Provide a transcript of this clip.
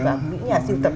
vào những nhà siêu tập